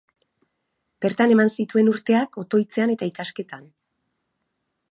Bertan eman zituen urteak, otoitzean eta ikasketan.